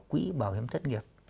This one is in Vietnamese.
quỹ bảo hiểm thất nghiệp